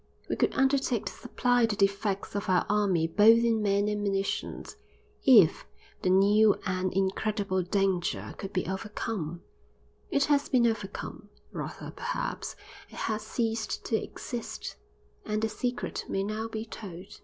We could undertake to supply the defects of our army both in men and munitions—if the new and incredible danger could be overcome. It has been overcome; rather, perhaps, it has ceased to exist; and the secret may now be told.